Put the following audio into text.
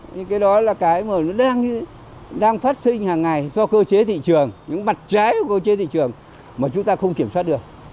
những cái đó là cái mà nó đang phát sinh hàng ngày do cơ chế thị trường những mặt trái của cơ chế thị trường mà chúng ta không kiểm soát được